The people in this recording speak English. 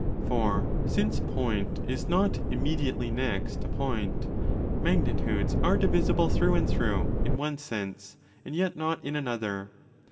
For, since point is not 'immediately next' to point, magnitudes are 'divisible through and through' in one sense, and yet not in another.